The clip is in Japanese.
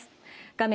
画面